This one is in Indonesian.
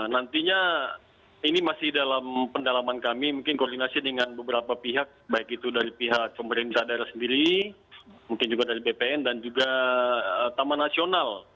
nantinya ini masih dalam pendalaman kami mungkin koordinasi dengan beberapa pihak baik itu dari pihak pemerintah daerah sendiri mungkin juga dari bpn dan juga taman nasional